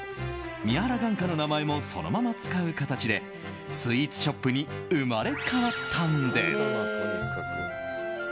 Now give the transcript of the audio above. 宮原眼科の名前もそのまま使う形でスイーツショップに生まれ変わったんです。